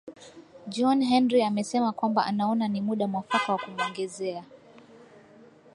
john henrie amesema kwamba anaona ni muda mwafaka wa kumwongezea